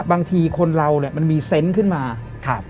บางทีคนเรามันมีเซนต์ขึ้นมา